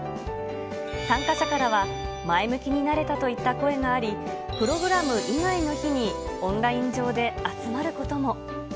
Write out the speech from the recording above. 参加者からは、前向きになれたといった声があり、プログラム以外の日にオンライン上で集まることも。